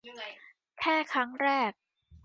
แค่ครั้งแรก